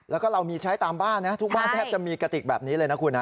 แล้วก็เรามีใช้ตามบ้านนะทุกบ้านแทบจะมีกระติกแบบนี้เลยนะคุณฮะ